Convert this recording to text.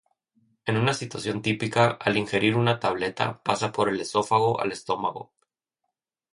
En una situación típica, al ingerir una tableta pasa por el esófago al estómago.